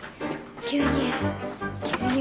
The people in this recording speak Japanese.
牛乳牛乳！